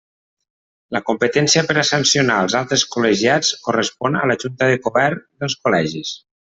La competència per a sancionar als altres col·legiats correspon a la Junta de Govern dels col·legis.